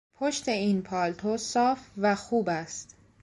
پشت این پالتو صاف و خوب است.